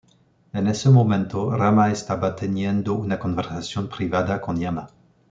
En ese momento, Rama estaba teniendo una conversación privada con Yama.